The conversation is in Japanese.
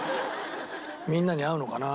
みんなに合うのかな？